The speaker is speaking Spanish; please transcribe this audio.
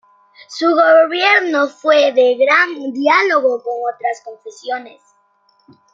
Su gobierno fue de gran diálogo con otras confesiones.